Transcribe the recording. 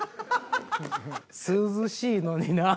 涼しいのになぁ。